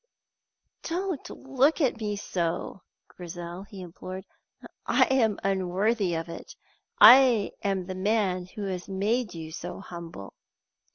"Don't look at me so, Grizel," he implored. "I am unworthy of it. I am the man who has made you so humble."